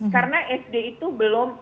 karena sd itu belum